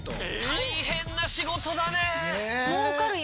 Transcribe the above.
大変な仕事だね。